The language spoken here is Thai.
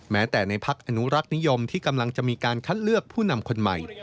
แม้แต่ในพักอนุรักษ์นิยมที่กำลังจะมีการคัดเลือกผู้นำคนใหม่